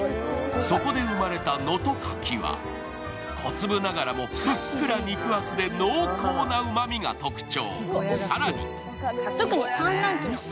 そこで生まれた能登かきは、小粒ながらもふっくら肉厚で濃厚なうまみが特徴。